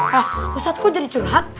hah ustad kok jadi curhat